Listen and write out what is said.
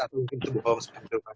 atau mungkin itu bohong seperti itu